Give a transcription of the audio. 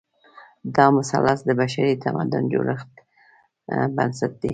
دا مثلث د بشري تمدن د جوړښت بنسټ دی.